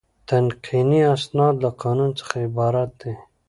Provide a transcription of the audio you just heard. تقنیني اسناد له قانون څخه عبارت دي.